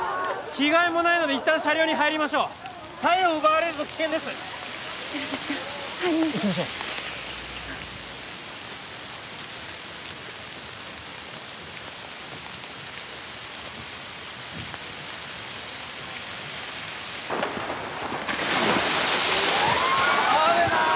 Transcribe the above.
着替えもないので一旦車両に入りましょう体温を奪われると危険です寺崎さん入りましょう行きましょう・雨だー！